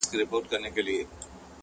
چي یې وکتل قصاب نه وو بلا وه-